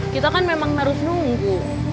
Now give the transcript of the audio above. kita kan memang harus nunggu